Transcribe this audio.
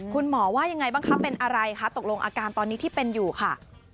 คุณหมอว่ายังไงบ้างคะเป็นอะไรคะตกลงอาการตอนนี้ที่เป็นอยู่ค่ะ